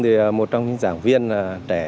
thì một trong những giảng viên trẻ